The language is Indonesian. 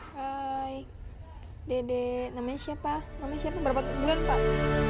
hai dede namanya siapa namanya siapa berapa bulan pak